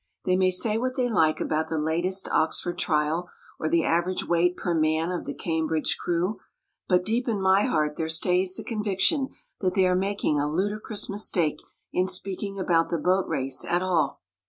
They may say what they like about the latest Oxford trial, or the average weight per man of the Cambridge crew, but deep in my heart there stays the con viction that they are making a ludicrous mistake in speaking about the Boat Race at all.